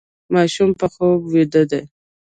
ماشوم په خوب ویده دی.